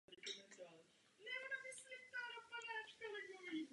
Za poslední roky toho mělo být uděláno mnohem více.